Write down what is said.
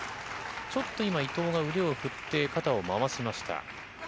ちょっと今、伊藤が腕を振って、肩を回しました。